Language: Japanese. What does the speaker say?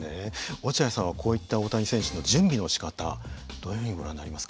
落合さんはこういった大谷選手の準備のしかたどういうふうにご覧になりますか？